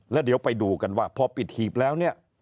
แล้วเดี๋ยวไปดูกันว่าพอปิดหีบแล้วเนี่ย